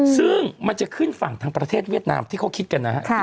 ซึ่งมันจะขึ้นฝั่งทางประเทศเวียดนามที่เขาคิดกันนะครับ